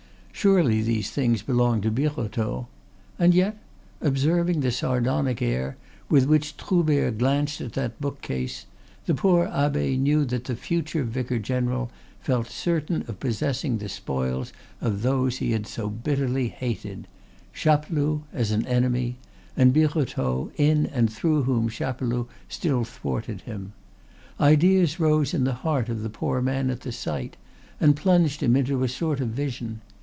Surely these things belonged to Birotteau? And yet, observing the sardonic air with which Troubert glanced at that bookcase, the poor abbe knew that the future vicar general felt certain of possessing the spoils of those he had so bitterly hated, Chapeloud as an enemy, and Birotteau, in and through whom Chapeloud still thwarted him. Ideas rose in the heart of the poor man at the sight, and plunged him into a sort of vision.